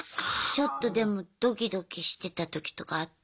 ちょっとでもドキドキしてた時とかあった？